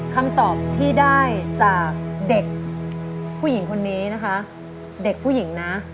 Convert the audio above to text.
คำตอบที่ได้จากเด็กผู้หญิงคนนี้นะคะเด็กผู้หญิงนะ